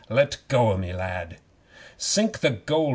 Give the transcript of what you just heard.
"Let go o' me, lad." '"Sink the gold!"